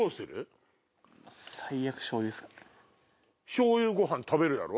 しょうゆご飯食べるだろ？